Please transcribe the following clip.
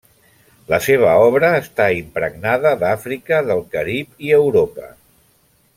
La seva obra està impregnada d'Àfrica, del Carib i Europa.